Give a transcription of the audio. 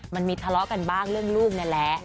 มันมีทะเลาะกันบ้างเรื่องลูกนี่แหละ